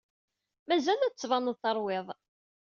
Mazal la d-tettbaned terwid.